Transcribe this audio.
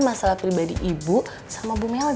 masalah pribadi ibu sama bumel